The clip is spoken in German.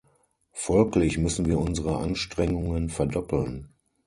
Folglich müssen wir unsere Anstrengungen verdoppeln.